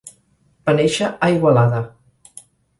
Va néixer a Igualada.